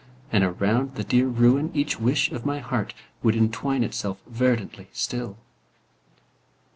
And around the dear ruin each wish of my heart Would entwine itself verdantly still.